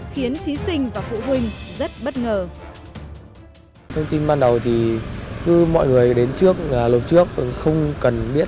khiến thí sinh và phụ huynh rất bất ngờ